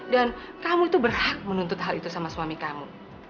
dan kamu itu berhak menuntut hal itu sama suami kamu